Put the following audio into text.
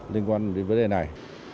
liên quan đến vấn đề này